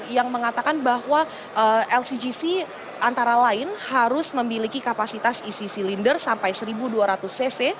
yang mengatakan bahwa lcgc antara lain harus memiliki kapasitas isi silinder sampai satu dua ratus cc